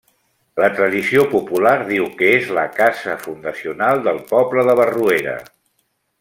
La tradició popular diu que és la cada fundacional del poble de Barruera.